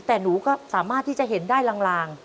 แต่หนูก็สามารถที่จะเห็นได้ลาง